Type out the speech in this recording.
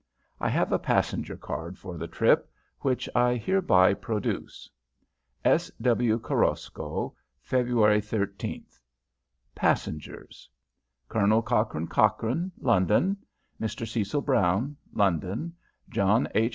I have a passenger card for the trip, which I hereby produce: S. W. "Korosko," February 13TH. PASSENGERS. Colonel Cochrane Cochrane London Mr. Cecil Brown London John H.